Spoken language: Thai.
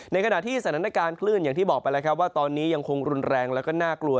ในขณะที่สถานการณ์คลื่นอย่างที่บอกไปแล้วครับว่าตอนนี้ยังคงรุนแรงแล้วก็น่ากลัว